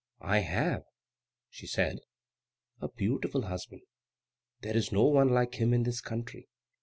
"I have," she said, "a beautiful husband. There is no one like him in this country.